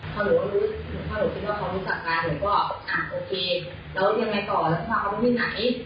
ถ้าหนูรู้ถ้าหนูคิดว่าเขารู้จักการผมก็อ่าโอเคแล้วยังไงต่อแล้วเขามาตรงที่ไหน